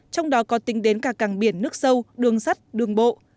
trong đó có tính đến cả càng biển nước sâu đường sắt đường bộ